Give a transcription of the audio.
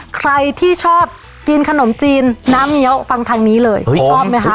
ใครที่ชอบกินขนมจีนน้ำเงี้ยวฟังทางนี้เลยชอบไหมคะ